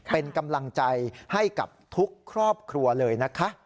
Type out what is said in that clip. เป็นกำลังใจให้กับทุกครอบครัวเลยนะคะ